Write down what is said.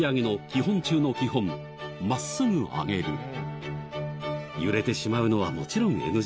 今回挑むのは揺れてしまうのはもちろんＮＧ